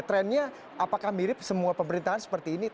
trendnya apakah mirip semua pemerintahan seperti ini